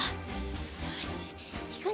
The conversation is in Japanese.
よしいくね！